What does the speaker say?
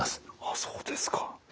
そうですか。